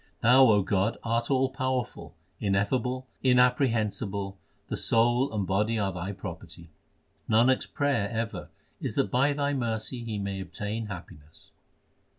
C C 2 388 THE SIKH RELIGION Thou, O God, art all powerful, ineffable, inapprehensible ; the soul and body are Thy property. Nanak s prayer ever is that by Thy mercy he may obtain happiness.